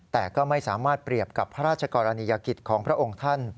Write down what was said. แต่ก็ไม่สามารถเปรียบกับพระราชกรณียกิจของพระองค์ท่าน